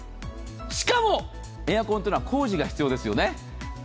しかも、エアコンは工事が必要ですよね。